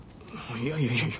いやいやいやいや